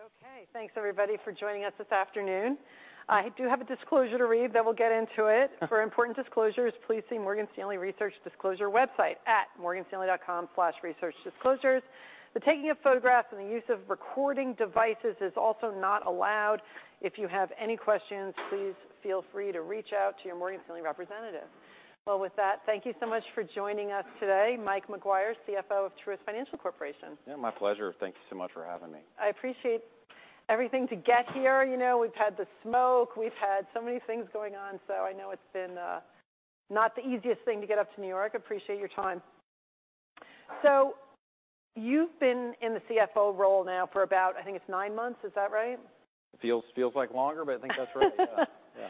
Okay, thanks everybody for joining us this afternoon. I do have a disclosure to read, then we'll get into it. For important disclosures, please see Morgan Stanley Research Disclosure website at morganstanley.com/researchdisclosures. The taking of photographs and the use of recording devices is also not allowed. If you have any questions, please feel free to reach out to your Morgan Stanley representative. Well, with that, thank you so much for joining us today, Mike Maguire, CFO of Truist Financial Corporation. Yeah, my pleasure. Thank you so much for having me. I appreciate everything to get here. You know, we've had the smoke, we've had so many things going on, so I know it's been not the easiest thing to get up to New York. I appreciate your time. You've been in the CFO role now for about, I think it's nine months. Is that right? Feels like longer, I think that's right. Yeah. Yeah.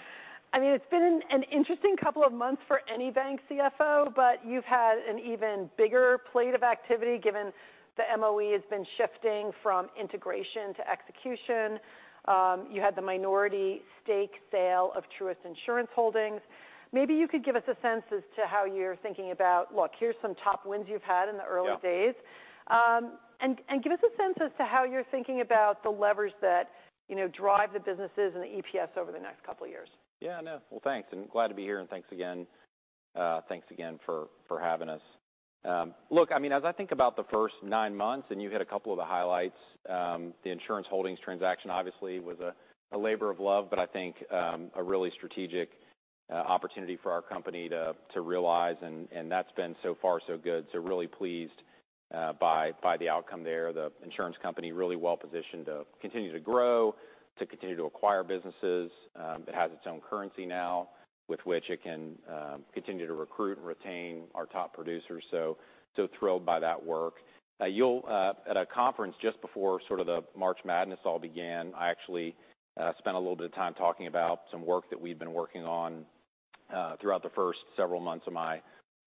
I mean, it's been an interesting couple of months for any bank CFO, but you've had an even bigger plate of activity given the MOE has been shifting from integration to execution. You had the minority stake sale of Truist Insurance Holdings. Maybe you could give us a sense as to how you're thinking about, "Look, here's some top wins you've had in the early days. Yeah. give us a sense as to how you're thinking about the levers that, you know, drive the businesses and the EPS over the next couple of years. I know. Well, thanks, and glad to be here, and thanks again. Thanks again for having us. Look, I mean, as I think about the first nine months, and you hit a couple of the highlights, the insurance holdings transaction obviously was a labor of love, but I think a really strategic opportunity for our company to realize, and that's been so far so good. Really pleased by the outcome there. The insurance company really well positioned to continue to grow, to continue to acquire businesses. It has its own currency now, with which it can continue to recruit and retain our top producers. Thrilled by that work. At a conference just before sort of the March Madness all began, I actually spent a little bit of time talking about some work that we've been working on throughout the first several months of my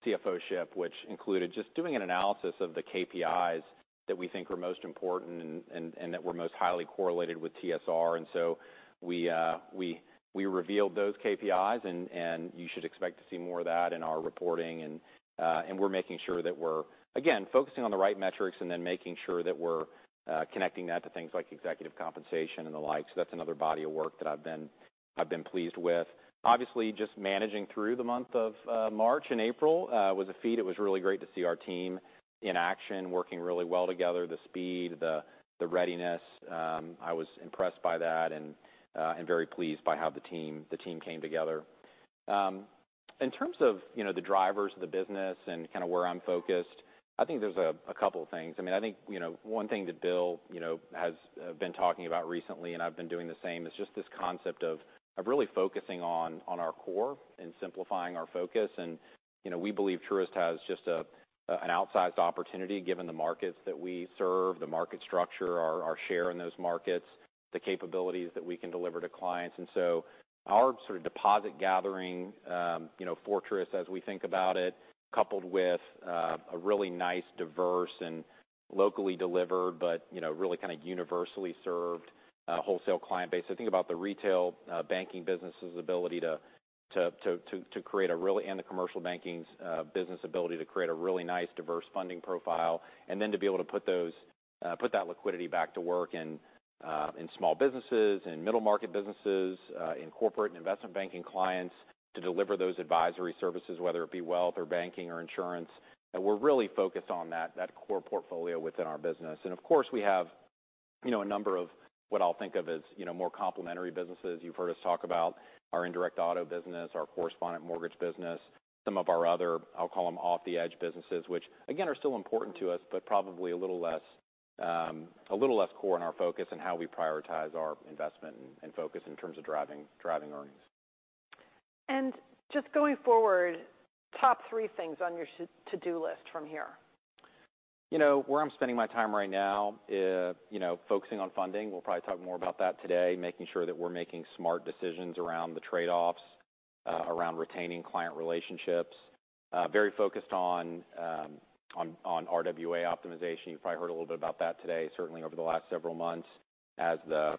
CFO-ship, which included just doing an analysis of the KPIs that we think were most important and that were most highly correlated with TSR. We revealed those KPIs, and you should expect to see more of that in our reporting. We're making sure that we're again focusing on the right metrics and then making sure that we're connecting that to things like executive compensation and the like. That's another body of work that I've been pleased with. Obviously, just managing through the month of March and April was a feat. It was really great to see our team in action, working really well together, the speed, the readiness. I was impressed by that and very pleased by how the team came together. In terms of, you know, the drivers of the business and kind of where I'm focused, I think there's a couple of things. I mean, I think, you know, one thing that Bill, you know, has been talking about recently, and I've been doing the same, is just this concept of really focusing on our core and simplifying our focus. You know, we believe Truist has just an outsized opportunity given the markets that we serve, the market structure, our share in those markets, the capabilities that we can deliver to clients. Our sort of deposit gathering, you know, fortress as we think about it, coupled with a really nice, diverse and locally delivered, but, you know, really kind of universally served, wholesale client base. I think about the retail banking business's ability to create a really. The commercial banking's business ability to create a really nice, diverse funding profile. To be able to put those, put that liquidity back to work in small businesses, in middle-market businesses, in corporate and investment banking clients, to deliver those advisory services, whether it be wealth or banking or insurance. We're really focused on that core portfolio within our business. Of course, we have, you know, a number of what I'll think of as, you know, more complementary businesses. You've heard us talk about our indirect auto business, our correspondent mortgage business, some of our other, I'll call them, off-the-edge businesses, which, again, are still important to us, but probably a little less, a little less core in our focus and how we prioritize our investment and focus in terms of driving earnings. Just going forward, top three things on your to-do list from here? You know, where I'm spending my time right now is, you know, focusing on funding. We'll probably talk more about that today, making sure that we're making smart decisions around the trade-offs, around retaining client relationships. Very focused on RWA optimization. You've probably heard a little bit about that today, certainly over the last several months, as the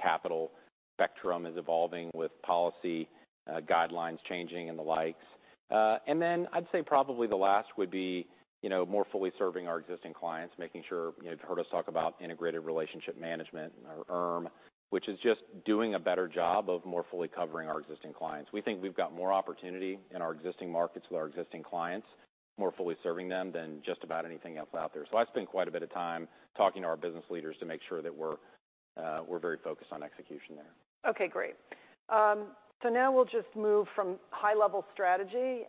capital spectrum is evolving with policy guidelines changing and the like. I'd say probably the last would be, you know, more fully serving our existing clients, making sure. You've heard us talk about Integrated Relationship Management, or IRM, which is just doing a better job of more fully covering our existing clients. We think we've got more opportunity in our existing markets with our existing clients, more fully serving them than just about anything else out there. I spend quite a bit of time talking to our business leaders to make sure that we're very focused on execution there. Okay, great. Now we'll just move from high-level strategy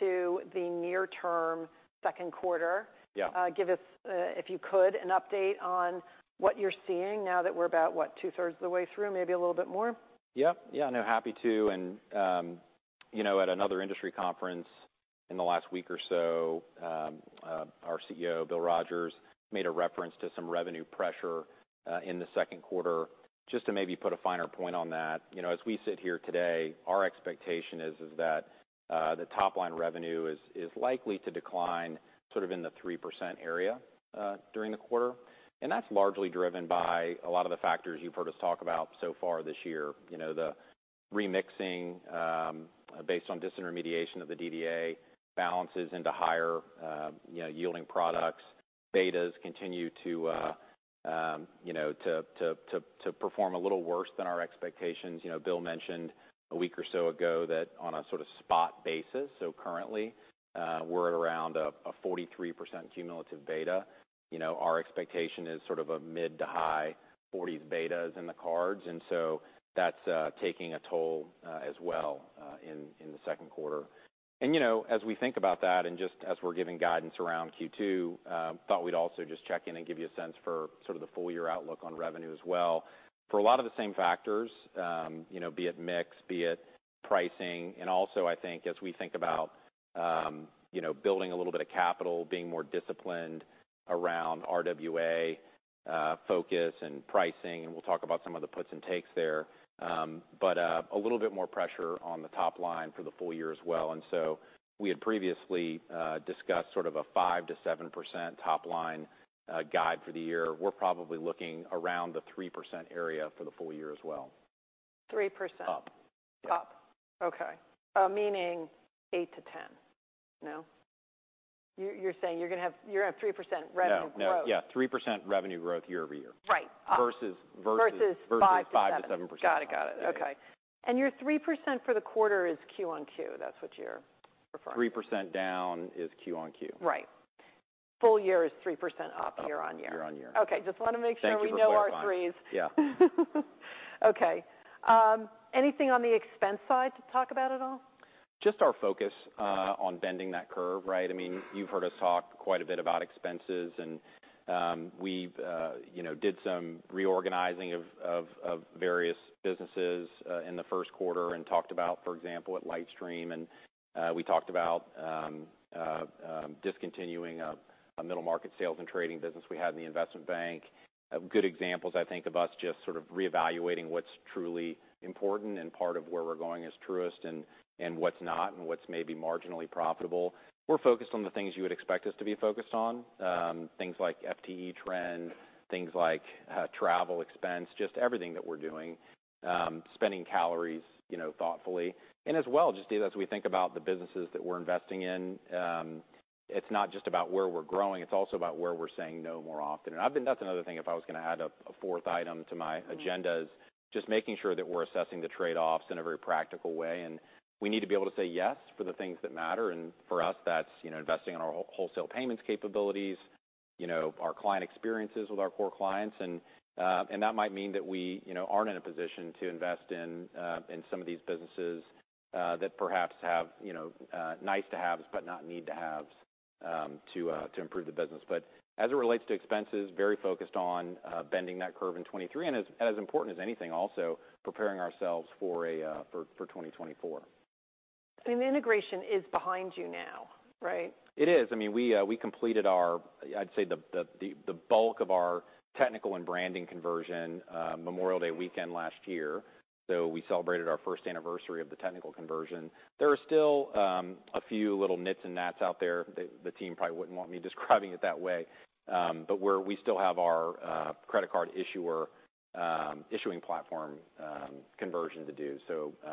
to the near-term second quarter. Yeah. Give us, if you could, an update on what you're seeing now that we're about, what? 2/3 of the way through, maybe a little bit more. Yeah. Yeah, no, happy to. You know, at another industry conference in the last week or so, our CEO, Bill Rogers, made a reference to some revenue pressure in the second quarter. Just to maybe put a finer point on that, you know, as we sit here today, our expectation is that the top-line revenue is likely to decline sort of in the 3% area during the quarter. That's largely driven by a lot of the factors you've heard us talk about so far this year. You know, remixing, based on disintermediation of the DDA balances into higher, you know, yielding products. Betas continue to, you know, to perform a little worse than our expectations. You know, Bill mentioned a week or so ago that on a sort of spot basis, so currently, we're at around a 43% cumulative beta. You know, our expectation is sort of a mid to high 40 betas in the cards, that's taking a toll as well in the second quarter. You know, as we think about that and just as we're giving guidance around Q2, thought we'd also just check in and give you a sense for sort of the full year outlook on revenue as well. For a lot of the same factors, you know, be it mix, be it pricing, and also I think as we think about, you know, building a little bit of capital, being more disciplined around RWA, focus and pricing, and we'll talk about some of the puts and takes there. A little bit more pressure on the top line for the full year as well. We had previously discussed sort of a 5%-7% top line guide for the year. We're probably looking around the 3% area for the full year as well. 3%? Up. Up. Okay. meaning 8%-10%. No? You're saying you're at 3% revenue growth. No. No. Yeah, 3% revenue growth year-over-year. Right. Up. Versus Versus five to seven. Versus 5%-7%. Got it. Yeah. Okay. Your 3% for the quarter is Q on Q. That's what you're referring to? 3% down is Q on Q. Right. Full year is 3% up, year-over-year. Up, year on year. Okay, just want to make sure we know our threes. Thank you for clarifying. Yeah. Anything on the expense side to talk about at all? Just our focus on bending that curve, right? I mean, you've heard us talk quite a bit about expenses, and we've, you know, did some reorganizing of various businesses in the 1Q and talked about, for example, at LightStream. We talked about discontinuing a middle market sales and trading business we had in the investment bank. A good examples, I think, of us just sort of reevaluating what's truly important and part of where we're going as Truist and what's not, and what's maybe marginally profitable. We're focused on the things you would expect us to be focused on, things like FTE trend, things like travel expense, just everything that we're doing. Spending calories, you know, thoughtfully. As well, just as we think about the businesses that we're investing in, it's not just about where we're growing, it's also about where we're saying no more often. That's another thing if I was going to add a fourth item to my agenda, is just making sure that we're assessing the trade-offs in a very practical way, and we need to be able to say yes for the things that matter. For us, that's investing in our wholesale payments capabilities, you know, our client experiences with our core clients. That might mean that we, you know, aren't in a position to invest in some of these businesses that perhaps have, you know, nice to haves, but not need to haves, to improve the business. As it relates to expenses, very focused on bending that curve in 2023 and as important as anything, also preparing ourselves for 2024. The integration is behind you now, right? It is. I mean, we completed our I'd say the bulk of our technical and branding conversion Presidents' Day weekend last year. We celebrated our first anniversary of the technical conversion. There are still a few little nits and nats out there. The team probably wouldn't want me describing it that way, we still have our credit card issuer issuing platform conversion to do,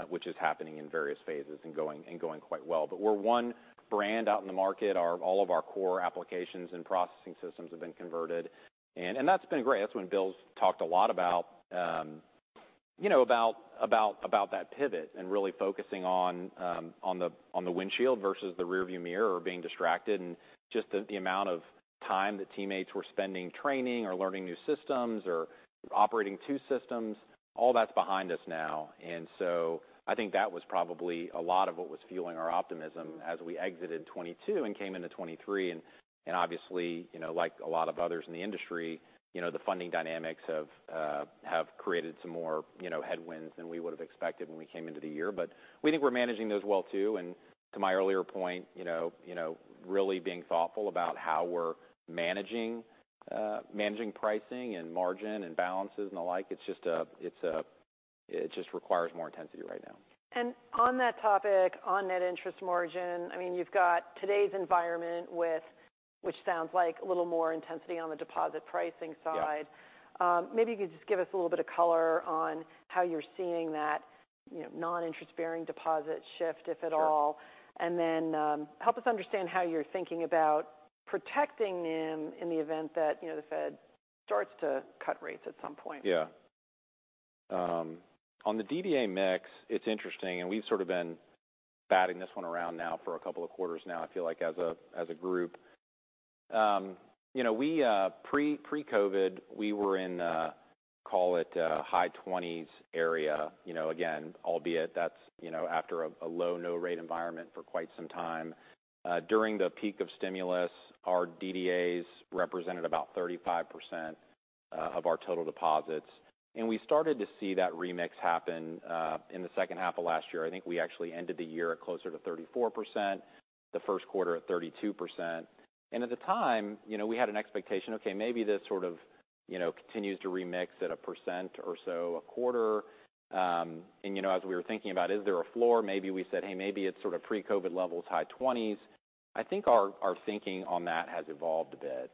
which is happening in various phases and going quite well. We're one brand out in the market. All of our core applications and processing systems have been converted, and that's been great. That's when Bill's talked a lot about, you know, about that pivot and really focusing on the windshield versus the rearview mirror or being distracted and just the amount of time that teammates were spending training or learning new systems or operating two systems. All that's behind us now. I think that was probably a lot of what was fueling our optimism as we exited 22 and came into 23. Obviously, you know, like a lot of others in the industry, you know, the funding dynamics have created some more, you know, headwinds than we would have expected when we came into the year, but we think we're managing those well too. To my earlier point, you know, really being thoughtful about how we're managing pricing and margin and balances and the like, it just requires more intensity right now. On that topic, on net interest margin, I mean, you've got today's environment with ... which sounds like a little more intensity on the deposit pricing side. Yeah. Maybe you could just give us a little bit of color on how you're seeing that, you know, non-interest-bearing deposit shift, if at all? Sure. Then, help us understand how you're thinking about protecting them in the event that, you know, the Fed starts to cut rates at some point. Yeah. On the DDA mix, it's interesting, we've sort of been batting this one around now for a couple of quarters now, I feel like as a group. You know, we pre-COVID, we were in, call it, high 20s area. You know, again, albeit that's, you know, after a low, no rate environment for quite some time. During the peak of stimulus, our DDAs represented about 35% of our total deposits, and we started to see that remix happen in the H2 of last year. I think we actually ended the year at closer to 34%, the 1Q at 32%. At the time, you know, we had an expectation, okay, maybe this sort of, you know, continues to remix at 1% or so a quarter. You know, as we were thinking about, is there a floor? Maybe we said, "Hey, maybe it's sort of pre-COVID levels, high 20s." I think our thinking on that has evolved a bit.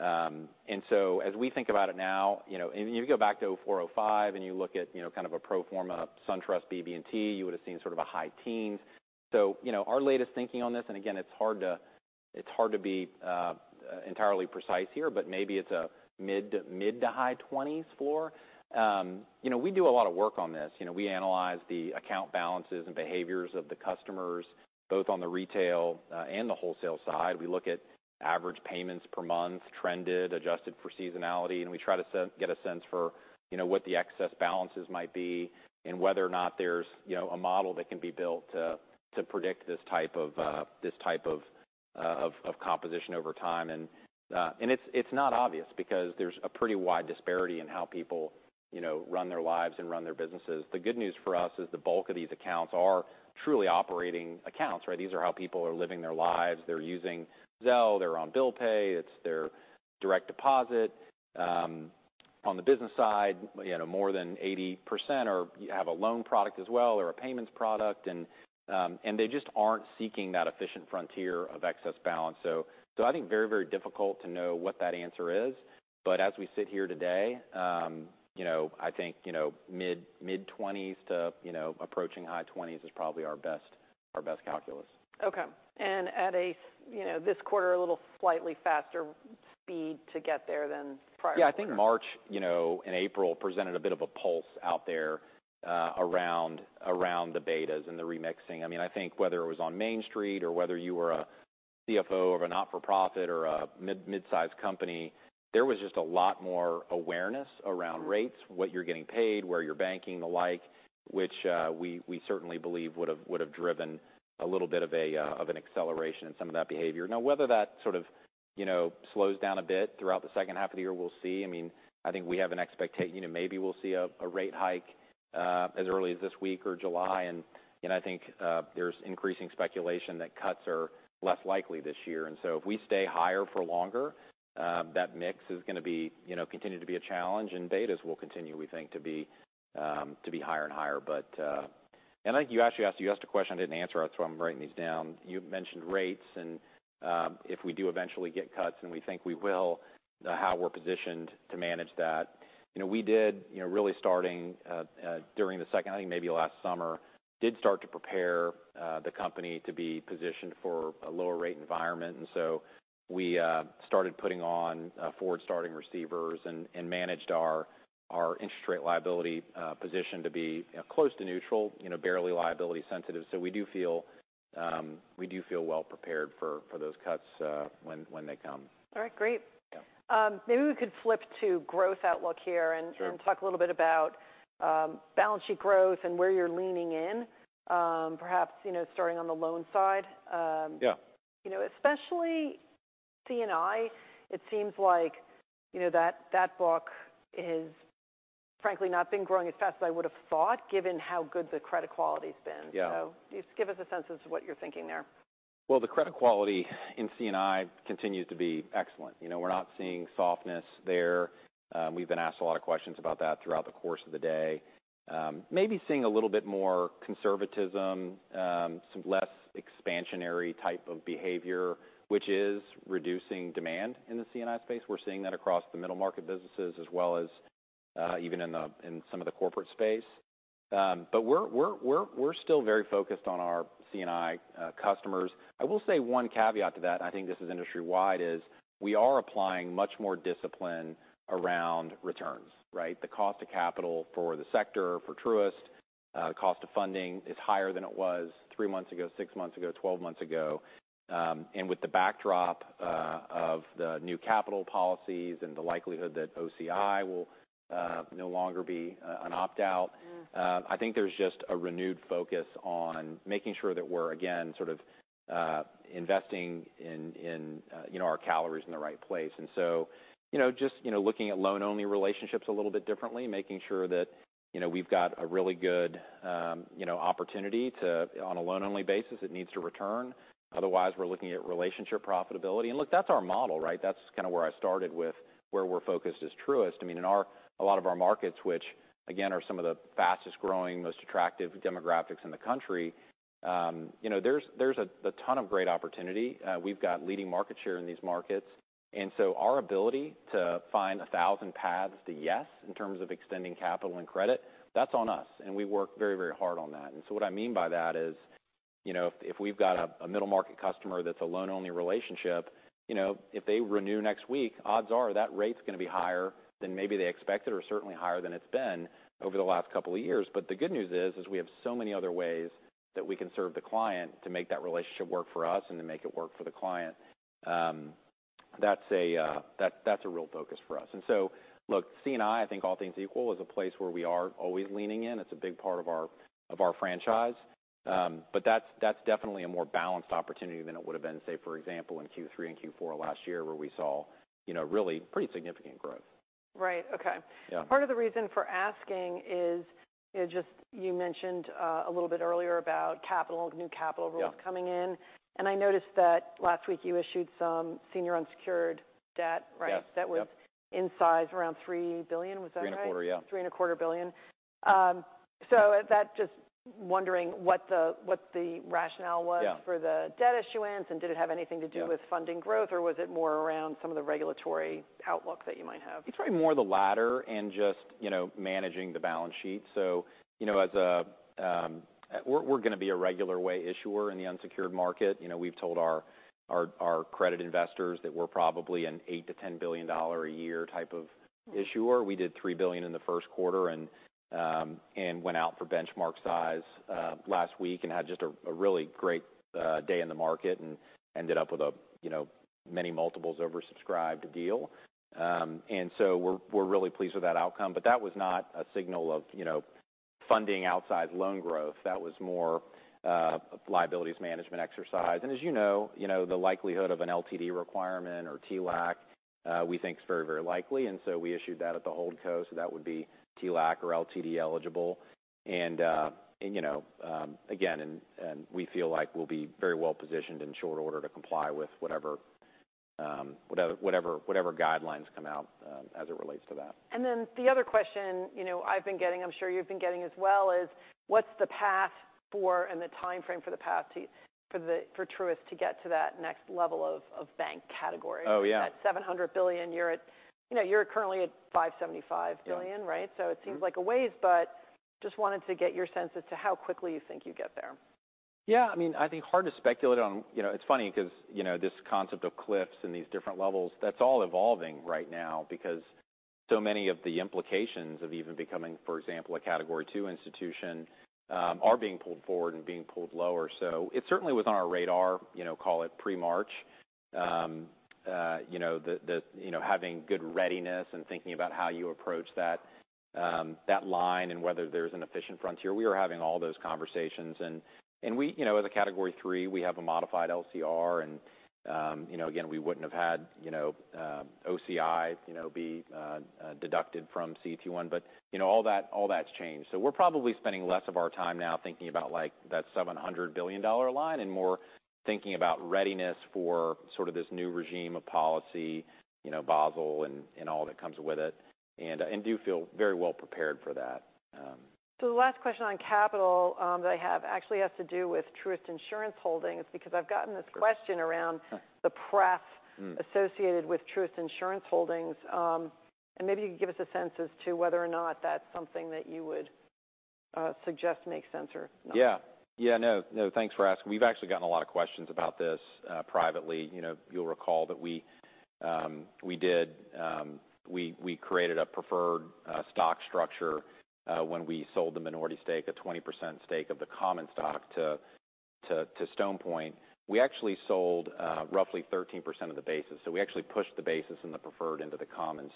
As we think about it now, you know, and you go back to 405 and you look at, you know, kind of a pro forma SunTrust, BB&T, you would have seen sort of a high teens. You know, our latest thinking on this, and again, it's hard to, it's hard to be entirely precise here, but maybe it's a mid-to-high 20s for. You know, we do a lot of work on this. You know, we analyze the account balances and behaviors of the customers, both on the retail and the wholesale side. We look at average payments per month, trended, adjusted for seasonality, and we try to get a sense for, you know, what the excess balances might be and whether or not there's, you know, a model that can be built to predict this type of, this type of composition over time. It's not obvious because there's a pretty wide disparity in how people, you know, run their lives and run their businesses. The good news for us is the bulk of these accounts are truly operating accounts, right? These are how people are living their lives. They're using Zelle, they're on Bill Pay, it's their direct deposit. On the business side, you know, more than 80% have a loan product as well, or a payments product, and they just aren't seeking that efficient frontier of excess balance. I think very, very difficult to know what that answer is. As we sit here today, you know, I think, you know, mid-20s to, you know, approaching high 20s is probably our best calculus. Okay. At a, you know, this quarter, a little slightly faster speed to get there than prior. I think March, you know, and April presented a bit of a pulse out there, around the betas and the remixing. I think whether it was on Main Street or whether you were a CFO of a not-for-profit or a mid-sized company, there was just a lot more awareness around rates, what you're getting paid, where you're banking, the like, which, we certainly believe would have driven a little bit of an acceleration in some of that behavior. Whether that sort of, you know, slows down a bit throughout the H2 of the year, we'll see. I think we have, you know, maybe we'll see a rate hike as early as this week or July. I think there's increasing speculation that cuts are less likely this year. If we stay higher for longer, that mix is going to be, you know, continue to be a challenge and betas will continue, we think, to be higher and higher. I think you actually asked a question I didn't answer. That's why I'm writing these down. You mentioned rates and, if we do eventually get cuts, and we think we will, how we're positioned to manage that. You know, we did, you know, really starting during the second, I think maybe last summer, did start to prepare the company to be positioned for a lower rate environment. We started putting on forward-starting receivers and managed our interest rate liability position to be close to neutral, you know, barely liability sensitive. We do feel well prepared for those cuts when they come. All right, great. Yeah. Maybe we could flip to growth outlook here. Sure... and talk a little bit about, balance sheet growth and where you're leaning in. Perhaps, you know, starting on the loan side. Yeah. You know, especially C&I, it seems like, you know, that block is frankly not been growing as fast as I would have thought, given how good the credit quality has been. Yeah. Just give us a sense of what you're thinking there. The credit quality in C&I continues to be excellent. You know, we're not seeing softness there. We've been asked a lot of questions about that throughout the course of the day. Maybe seeing a little bit more conservatism, some less expansionary type of behavior, which is reducing demand in the C&I space. We're seeing that across the middle market businesses as well as, even in the, in some of the corporate space. We're still very focused on our C&I customers. I will say one caveat to that, I think this is industry wide, is we are applying much more discipline around returns, right? The cost of capital for the sector, for Truist, the cost of funding is higher than it was three months ago, six months ago, 12 months ago. With the backdrop of the new capital policies and the likelihood that OCI will no longer be an opt-out. Mm. I think there's just a renewed focus on making sure that we're, again, sort of, investing in, you know, our calories in the right place. You know, just, you know, looking at loan-only relationships a little bit differently, making sure that, you know, we've got a really good, you know, opportunity to, on a loan-only basis, it needs to return. Otherwise, we're looking at relationship profitability. Look, that's our model, right? That's kind of where I started with where we're focused as Truist. In our- a lot of our markets, which again, are some of the fastest growing, most attractive demographics in the country, you know, there's a ton of great opportunity. We've got leading market share in these markets. Our ability to find 1,000 paths to yes, in terms of extending capital and credit, that's on us. We work very, very hard on that. What I mean by that is, you know, if we've got a middle-market customer that's a loan-only relationship, you know, if they renew next week, odds are that rate's going to be higher than maybe they expected, or certainly higher than it's been over the last couple of years. The good news is we have so many other ways that we can serve the client to make that relationship work for us and to make it work for the client. That's a real focus for us. Look, C&I think all things equal, is a place where we are always leaning in. It's a big part of our franchise. But that's definitely a more balanced opportunity than it would have been, say, for example, in Q3 and Q4 last year, where we saw, you know, really pretty significant growth. ... Right. Okay. Yeah. Part of the reason for asking is just you mentioned a little bit earlier about capital, new capital rules. Yeah -coming in, and I noticed that last week you issued some senior unsecured debt, right? Yes. Yep. That was in size around $3 billion. Was that right? 3.25%, yeah. Three and a quarter billion. At that, just wondering what the, what the rationale was. Yeah -for the debt issuance, did it have anything to do with funding growth, or was it more around some of the regulatory outlook that you might have? It's probably more the latter and just, you know, managing the balance sheet. You know, as a, we're going to be a regular way issuer in the unsecured market. You know, we've told our credit investors that we're probably an $8 billion-$10 billion a year type of issuer. We did $3 billion in the 1Q and went out for benchmark size last week and had just a really great day in the market and ended up with a, you know, many multiples oversubscribed deal. We're really pleased with that outcome. That was not a signal of, you know, funding outside loan growth. That was more a liabilities management exercise. As you know, you know, the likelihood of an LTD requirement or TLAC, we think is very, very likely, and so we issued that at the HoldCo, so that would be TLAC or LTD eligible. You know, again, and we feel like we'll be very well positioned in short order to comply with whatever guidelines come out as it relates to that. The other question, you know, I've been getting, I'm sure you've been getting as well, is what's the path for and the timeframe for the path to, for Truist to get to that next level of bank category? Oh, yeah. That $700 billion. You know, you're currently at $575 billion- Yeah. Right? It seems like a ways, but just wanted to get your sense as to how quickly you think you'd get there. Yeah, I mean, I think hard to speculate on. You know, it's funny because, you know, this concept of cliffs and these different levels, that's all evolving right now because so many of the implications of even becoming, for example, a Category II institution, are being pulled forward and being pulled lower. It certainly was on our radar, you know, call it pre-March. You know, having good readiness and thinking about how you approach that line and whether there's an efficient frontier. We were having all those conversations and we, you know, as a Category III, we have a modified LCR, and, you know, again, we wouldn't have had, you know, OCI be deducted from CET1. You know, all that, all that's changed. We're probably spending less of our time now thinking about, like, that $700 billion line and more thinking about readiness for sort of this new regime of policy, you know, Basel and all that comes with it, and do feel very well prepared for that. The last question on capital, that I have actually has to do with Truist Insurance Holdings, because I've gotten this question around the. Mm. -associated with Truist Insurance Holdings. Maybe you can give us a sense as to whether or not that's something that you would suggest makes sense or not. Yeah. Yeah. No, no, thanks for asking. We've actually gotten a lot of questions about this privately. You know, you'll recall that we did, we created a preferred stock structure when we sold the minority stake, a 20% stake of the common stock to Stone Point. We actually sold roughly 13% of the basis, so we actually pushed the basis in the preferred into the common.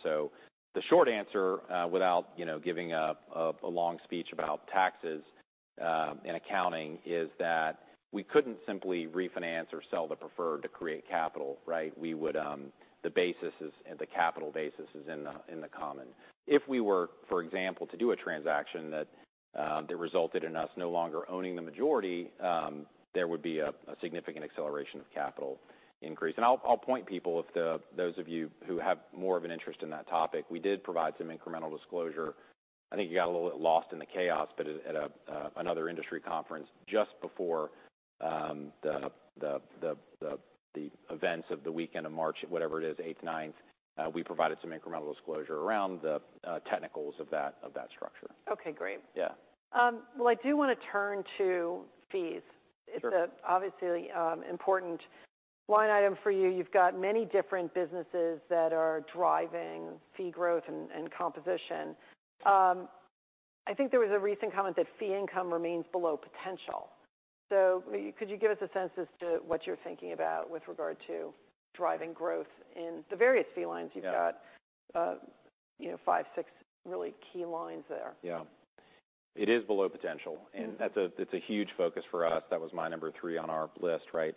The short answer, without, you know, giving a long speech about taxes and accounting, is that we couldn't simply refinance or sell the preferred to create capital, right? We would. The basis is, the capital basis is in the common. If we were, for example, to do a transaction that resulted in us no longer owning the majority, there would be a significant acceleration of capital increase. I'll point people, those of you who have more of an interest in that topic, we did provide some incremental disclosure. I think it got a little bit lost in the chaos, but at a another industry conference just before the events of the weekend of March, whatever it is, 8th, 9th, we provided some incremental disclosure around the technicals of that structure. Okay, great. Yeah. Well, I do want to turn to fees. Sure. It's a obviously, important line item for you. You've got many different businesses that are driving fee growth and composition. I think there was a recent comment that fee income remains below potential. Could you give us a sense as to what you're thinking about with regard to driving growth in the various fee lines? Yeah. You've got, you know, five, six really key lines there. Yeah. It is below potential- Mm. That's a huge focus for us. That was my number three on our list, right?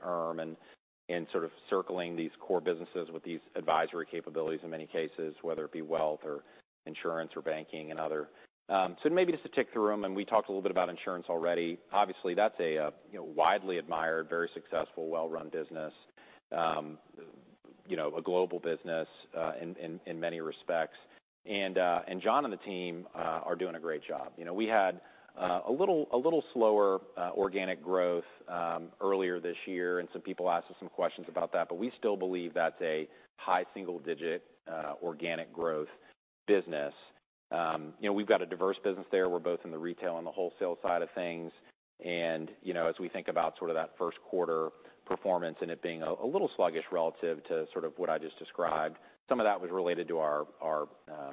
Sort of circling these core businesses with these advisory capabilities, in many cases, whether it be wealth or insurance or banking and other. Maybe just to tick through them, we talked a little bit about insurance already. Obviously, that's a, you know, widely admired, very successful, well-run business. You know, a global business, in many respects. John and the team are doing a great job. You know, we had a little slower organic growth earlier this year, and some people asked us some questions about that, but we still believe that's a high single-digit organic growth business. You know, we've got a diverse business there. We're both in the retail and the wholesale side of things. You know, as we think about sort of that 1Q performance and it being a little sluggish relative to sort of what I just described, some of that was related to our,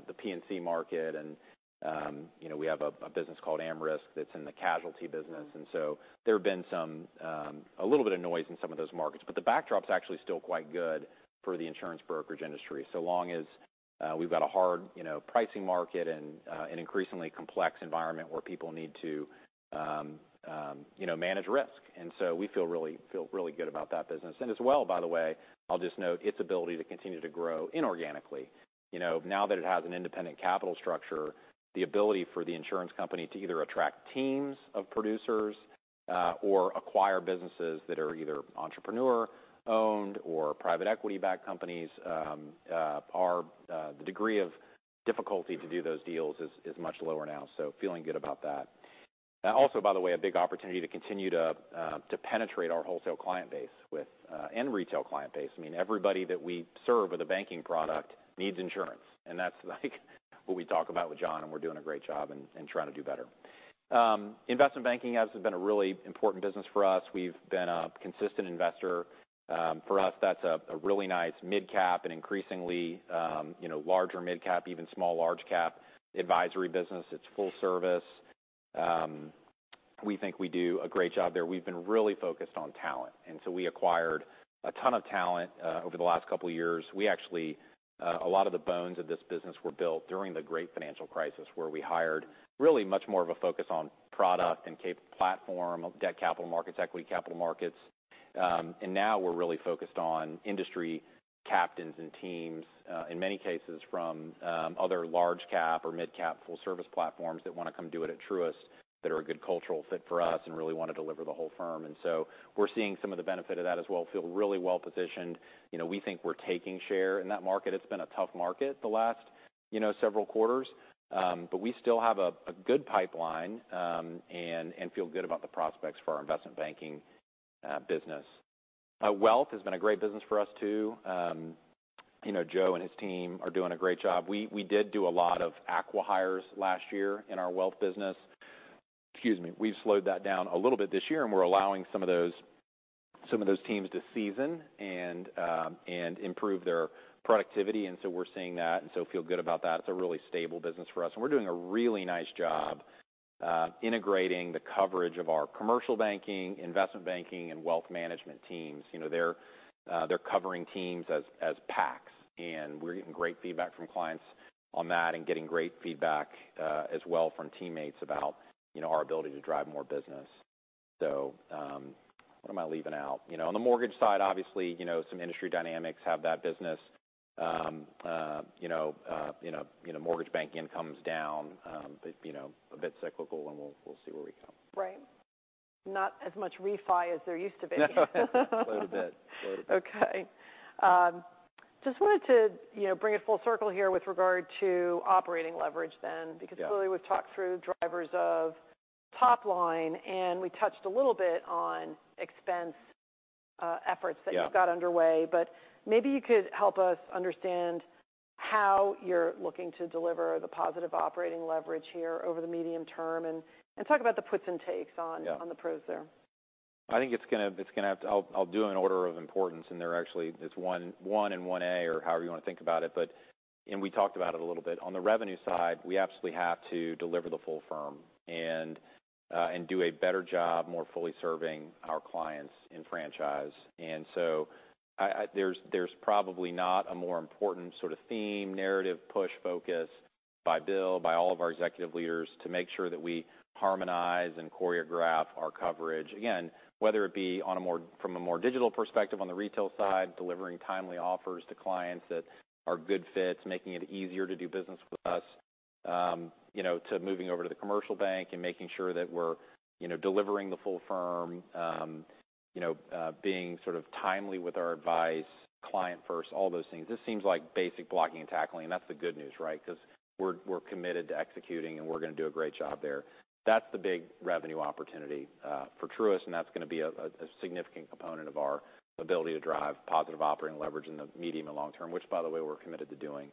the P&C market. You know, we have a business called AmRisc that's in the casualty business, and so there have been some, a little bit of noise in some of those markets. The backdrop is actually still quite good for the insurance brokerage industry. So long as we've got a hard, you know, pricing market and an increasingly complex environment where people need to, you know, manage risk. We feel really good about that business. As well, by the way, I'll just note its ability to continue to grow inorganically. You know, now that it has an independent capital structure, the ability for the insurance company to either attract teams of producers, or acquire businesses that are either entrepreneur-owned or private equity-backed companies, are the degree of difficulty to do those deals is much lower now. Feeling good about that. Also, by the way, a big opportunity to continue to penetrate our wholesale client base and retail client base. I mean, everybody that we serve with a banking product needs insurance, and that's like what we talk about with John, and we're doing a great job and trying to do better. Investment banking has been a really important business for us. We've been a consistent investor. For us, that's a really nice midcap and increasingly, you know, larger midcap, even small, large cap advisory business. It's full service. We think we do a great job there. We've been really focused on talent. We acquired a ton of talent over the last couple of years. We actually, a lot of the bones of this business were built during the Great Financial Crisis, where we hired really much more of a focus on product and platform, debt capital markets, equity capital markets. Now we're really focused on industry captains and teams, in many cases, from other large cap or midcap full service platforms that want to come do it at Truist, that are a good cultural fit for us and really want to deliver the whole firm. We're seeing some of the benefit of that as well. Feel really well positioned. You know, we think we're taking share in that market. It's been a tough market the last, you know, several quarters, but we still have a good pipeline, and feel good about the prospects for our investment banking business. Wealth has been a great business for us, too. You know, Joe and his team are doing a great job. We did do a lot of acquihires last year in our wealth business. Excuse me. We've slowed that down a little bit this year, and we're allowing some of those teams to season and improve their productivity, and so we're seeing that, and so feel good about that. It's a really stable business for us. We're doing a really nice job, integrating the coverage of our commercial banking, investment banking, and wealth management teams. You know, they're covering teams as packs. We're getting great feedback from clients on that and getting great feedback as well from teammates about, you know, our ability to drive more business. What am I leaving out? You know, on the mortgage side, obviously, you know, some industry dynamics have that business. You know, mortgage banking comes down, but, you know, a bit cyclical and we'll see where we go. Right. Not as much refi as there used to be. No. A little bit. A little bit. Okay. just wanted to, you know, bring it full circle here with regard to operating leverage then. Yeah Really, we've talked through drivers of top line, and we touched a little bit on expense, efforts. Yeah that you've got underway. Maybe you could help us understand how you're looking to deliver the positive operating leverage here over the medium term, and talk about the puts and takes on. Yeah on the pros there. I think it's gonna have to. I'll do it in order of importance, and there are actually, there's one and one A, or however you want to think about it, but and we talked about it a little bit. On the revenue side, we absolutely have to deliver the full firm and do a better job, more fully serving our clients in franchise. I, there's probably not a more important sort of theme, narrative, push, focus by Bill, by all of our executive leaders, to make sure that we harmonize and choreograph our coverage. Again, whether it be on a more, from a more digital perspective on the retail side, delivering timely offers to clients that are good fits, making it easier to do business with us, you know, to moving over to the commercial bank and making sure that we're, you know, delivering the full firm, you know, being sort of timely with our advice, client first, all those things. This seems like basic blocking and tackling, and that's the good news, right? Because we're committed to executing, and we're going to do a great job there. That's the big revenue opportunity for Truist, and that's going to be a significant component of our ability to drive positive operating leverage in the medium and long term, which, by the way, we're committed to doing.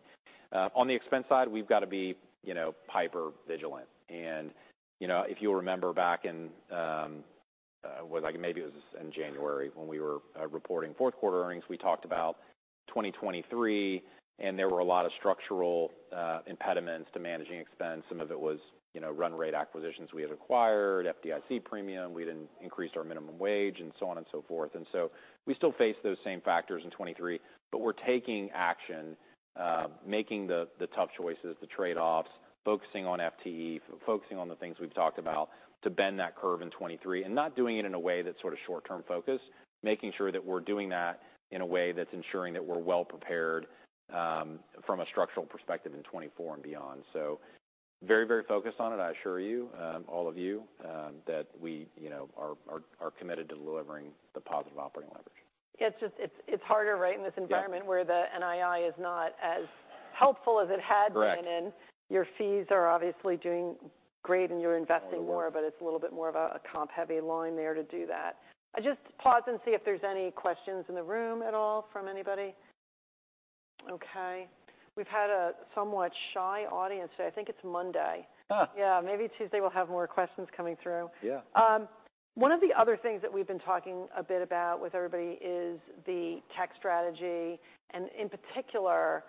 On the expense side, we've got to be, you know, hyper-vigilant. You know, if you remember back in, like, maybe it was in January when we were reporting fourth-quarter earnings, we talked about 2023, and there were a lot of structural impediments to managing expense. Some of it was, you know, run rate acquisitions we had acquired, FDIC premium, we had increased our minimum wage, and so on and so forth. We still face those same factors in 2023, but we're taking action, making the tough choices, the trade-offs, focusing on FTE, focusing on the things we've talked about to bend that curve in 2023, and not doing it in a way that's sort of short-term focused. Making sure that we're doing that in a way that's ensuring that we're well prepared from a structural perspective in 2024 and beyond. Very, very focused on it. I assure you, all of you, that we, you know, are committed to delivering the positive operating leverage. It's just it's harder right... Yeah in this environment where the NII is not as helpful as it had been. Correct. Your fees are obviously doing great, you're investing more. Little bit. It's a little bit more of a comp-heavy line there to do that. I just pause and see if there's any questions in the room at all from anybody. Okay. We've had a somewhat shy audience today. I think it's Monday. Huh? Yeah, maybe Tuesday we'll have more questions coming through. Yeah. One of the other things that we've been talking a bit about with everybody is the tech strategy and in particular,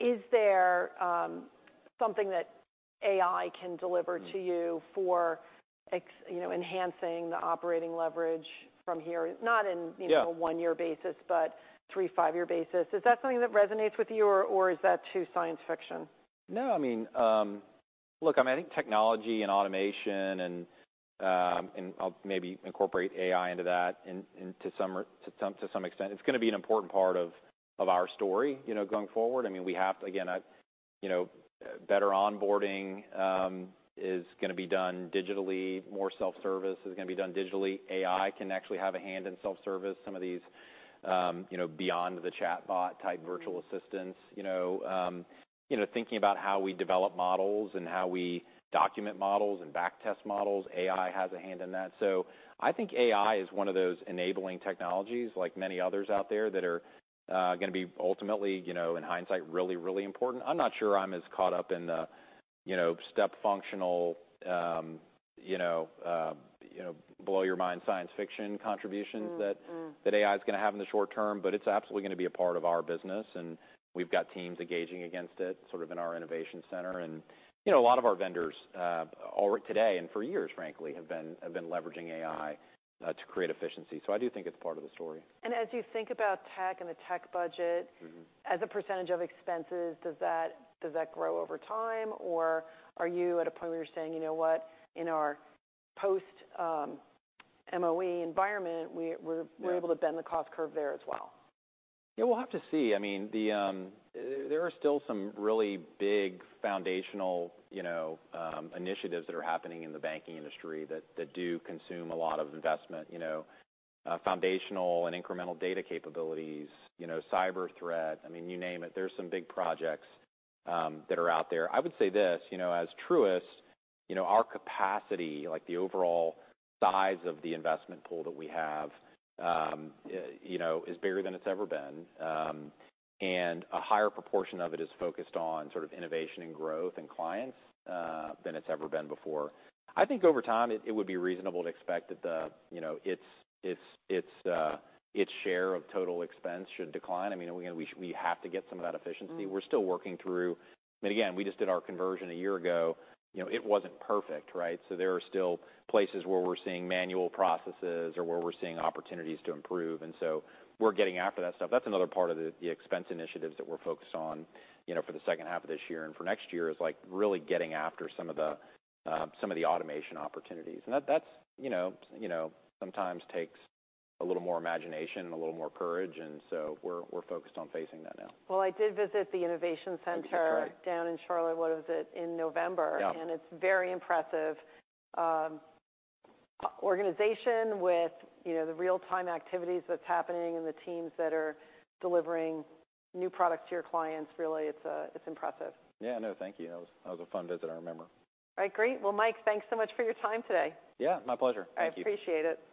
is there something that AI can deliver to you know, enhancing the operating leverage from here, not in. Yeah You know, a one-year basis, but three, five-year basis. Is that something that resonates with you or is that too science fiction? No, I mean, look, I mean, I think technology and automation and I'll maybe incorporate AI into that to some extent, it's gonna be an important part of our story, you know, going forward. I mean, we have to again, I, you know, better onboarding is gonna be done digitally. More self-service is gonna be done digitally. AI can actually have a hand in self-service. Some of these, you know, beyond the chatbot-type virtual assistants. You know, you know, thinking about how we develop models and how we document models and back-test models, AI has a hand in that. So I think AI is one of those enabling technologies, like many others out there, that are gonna be ultimately, you know, in hindsight, really important. I'm not sure I'm as caught up in the, you know, step functional, you know, you know, blow your mind science fiction contributions. Mm, mm. that AI is gonna have in the short term, but it's absolutely gonna be a part of our business, and we've got teams engaging against it, sort of in our innovation center. You know, a lot of our vendors, all today, and for years frankly, have been leveraging AI to create efficiency. I do think it's part of the story. As you think about tech and the tech budget. Mm-hmm. as a % of expenses, does that grow over time, or are you at a point where you're saying, "You know what? In our post, MOE environment. Yeah We're able to bend the cost curve there as well? Yeah, we'll have to see. I mean, the, there are still some really big foundational, you know, initiatives that are happening in the banking industry that do consume a lot of investment. You know, foundational and incremental data capabilities, you know, cyber threat. I mean, you name it, there's some big projects that are out there. I would say this, you know, as Truist, you know, our capacity, like, the overall size of the investment pool that we have, you know, is bigger than it's ever been. A higher proportion of it is focused on sort of innovation and growth and clients than it's ever been before. I think over time, it would be reasonable to expect that the, you know, its share of total expense should decline. I mean, again, we have to get some of that efficiency. Mm-hmm. We're still working through... I mean, again, we just did our conversion a year ago. You know, it wasn't perfect, right? There are still places where we're seeing manual processes or where we're seeing opportunities to improve. We're getting after that stuff. That's another part of the expense initiatives that we're focused on, you know, for the H2 of this year and for next year, is, like, really getting after some of the automation opportunities. That, you know, sometimes takes a little more imagination and a little more courage. We're focused on facing that now. Well, I did visit the innovation center. That's right. down in Charlotte. What was it? In November. Yeah. It's very impressive, organization with, you know, the real-time activities that's happening and the teams that are delivering new products to your clients. Really, it's impressive. Yeah, no, thank you. That was a fun visit, I remember. All right, great! Well, Mike, thanks so much for your time today. Yeah, my pleasure. Thank you. I appreciate it.